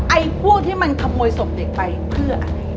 ไอ้พวกที่มันขโมยศพเด็กไปเพื่ออะไร